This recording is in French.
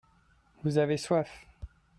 vous avez soif.